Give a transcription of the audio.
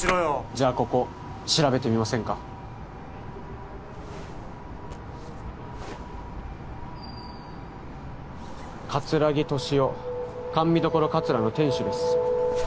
じゃあここ調べてみませんか桂木敏夫甘味処「かつら」の店主です